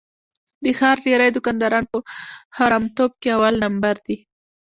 د ښار ډېری دوکانداران په حرامتوب کې اول لمبر دي.